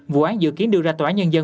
vụ án dự kiến đưa ra tòa nhân dân